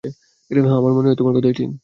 হ্যাঁ, আমার মনে হয় তোমার কথাই ঠিক।